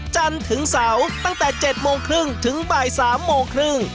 จันทร์ถึงเสาร์ตั้งแต่๗โมงครึ่งถึงบ่าย๓โมงครึ่ง